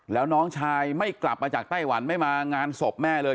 แล้วน้องชายไม่กลับมาจากไต้หวันไม่มางานศพแม่เลย